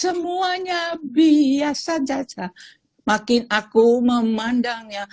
semuanya biasa caca makin aku memandangnya